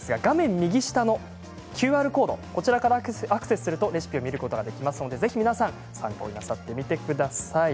右下のＱＲコードからアクセスするとレシピを見ることができますのでぜひ参考になさってください。